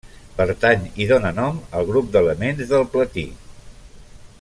Pertany i dóna nom al grup d'elements del platí.